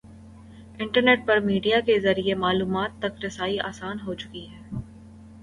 Internet پر media کے ذریعے معلومات تک رسائی آسان ہو چکی ہے۔